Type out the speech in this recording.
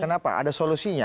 kenapa ada solusinya